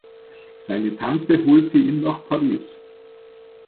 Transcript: Seine Tante holte ihn nach Paris.